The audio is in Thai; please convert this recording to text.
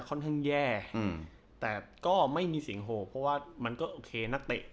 ค่อนข้างแย่อืมแต่ก็ไม่มีเสียงโหกเพราะว่ามันก็โอเคนักเตะ